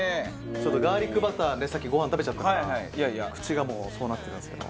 ちょっとガーリックバターでさっきご飯食べちゃったから口がそうなってるんですけど。